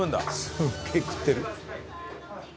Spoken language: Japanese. すげえ食ってる。